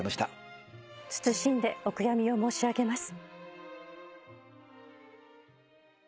謹んでお悔やみを申し上げます。